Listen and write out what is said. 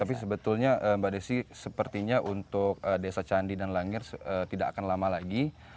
tapi sebetulnya mbak desi sepertinya untuk desa candi dan langir tidak akan lama lagi